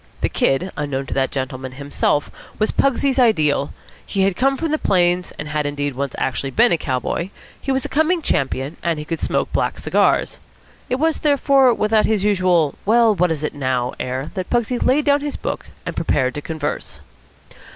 The Kid, unknown to that gentleman himself, was Pugsy's ideal. He came from the Plains; and had, indeed, once actually been a cowboy; he was a coming champion; and he could smoke black cigars. It was, therefore, without his usual well what is it now? air that Pugsy laid down his book, and prepared to converse.